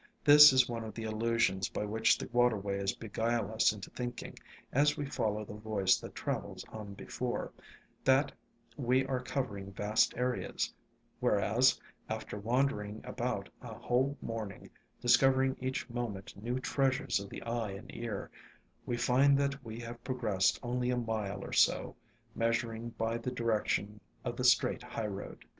This is one of the illusions by which the waterways beguile us into thinking, as we follow the voice that travels on before, that we are covering vast areas; whereas, after wander ing about a whole morning, discovering each mo ment new treasures of the eye and ear, we find that we have progressed only a mile or so, measuring by the direction of the straight highroad.